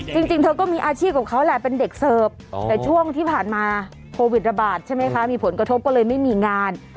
จริงเธอก็มีอาชีพของเขาแหละเป็นเด็กเสิร์ฟแต่ช่วงที่ผ่านมาโควิดระบาดใช่ไหมคะมีผลกระทบก็เลยไม่มีงาน